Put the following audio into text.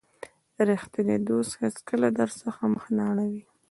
رښتینی دوست هیڅکله درڅخه مخ نه اړوي.